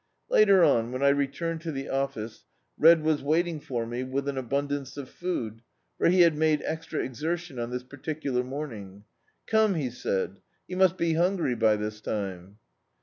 Later on, when I returned to the office, Red was waiting for me with an abundance of food, for he had made extra exertion on this particular morning. "Ccme," he said, "you must be hungry by this time."